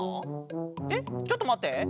えっちょっとまって。